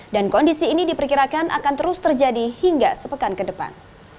dan kondisi ini diperkirakan akan terus terjadi hingga sepekan ke depan